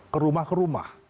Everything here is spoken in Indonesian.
ke rumah ke rumah